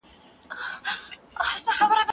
زما د زړه تارونه زور نه لري